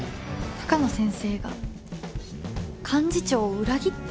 鷹野先生が？幹事長を裏切って？